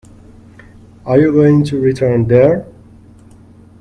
Are you going to return there?